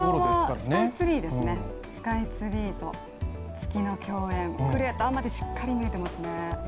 こちらはスカイツリーと月の共演、クレーターまでしっかり見えてますね。